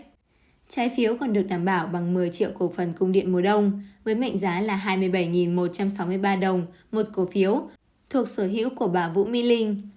trái phiếu còn được đảm bảo bằng một mươi triệu cổ phần cung điện mùa đông với mệnh giá là hai mươi bảy một trăm sáu mươi ba đồng một cổ phiếu thuộc sở hữu của bà vũ mỹ linh